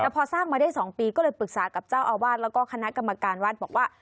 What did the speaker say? พอสร้างมาได้๒ปีก็เลยปรึกษากับเจ้าอาวาทและคณกรรมการว่า